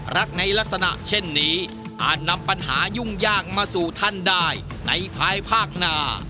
รักในลักษณะเช่นนี้อาจนำปัญหายุ่งยากมาสู่ท่านได้ในภายภาคหน้า